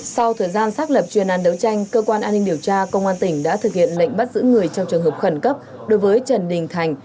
sau thời gian xác lập chuyên án đấu tranh cơ quan an ninh điều tra công an tỉnh đã thực hiện lệnh bắt giữ người trong trường hợp khẩn cấp đối với trần đình thành